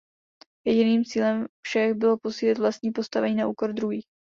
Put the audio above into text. Jediným cílem všech bylo posílit vlastní postavení na úkor druhých.